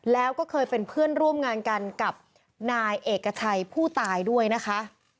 แล้วก็เคยเป็นเพื่อนร่วมงานกันกับนายเอกชัยผู้ตายด้วยนะคะ